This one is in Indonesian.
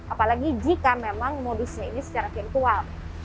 apalagi jika memang modusnya ini secara virtual